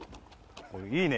いいね。